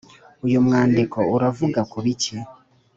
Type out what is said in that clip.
Uyu mwandiko uravuga ku biki?